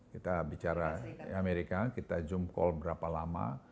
kita bicara amerika kita zoom call berapa lama